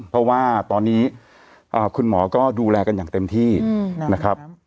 เพราะว่าตอนนี้คุณหมอก็ดูแลกันอย่างเต็มที่นะครับ